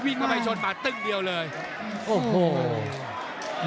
วิ่งเข้าไปชนมัดตึ้งเดียวเลย